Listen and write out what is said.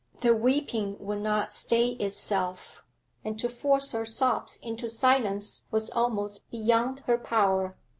The weeping would not stay itself, and to force her sobs into silence was almost beyond her power.